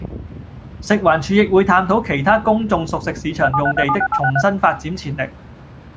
食環署亦會探討其他公眾熟食市場用地的重新發展潛力